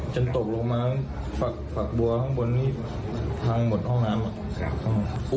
ตกลงมาฝักบัวข้างบนนี้พังหมดห้องน้ำหมด